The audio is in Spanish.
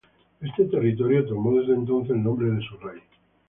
Este territorio tomó desde entonces el nombre de su Rey.